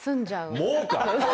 もうか！